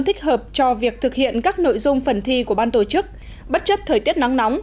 thích hợp cho việc thực hiện các nội dung phần thi của ban tổ chức bất chấp thời tiết nắng nóng